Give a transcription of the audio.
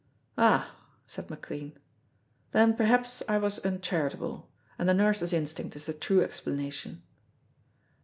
"Ah," said McLean, "then perhaps I was uncharitable, and the nurse's instinct is the true explanation."